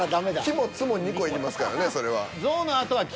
「き」も「つ」も２個いりますからねそれは。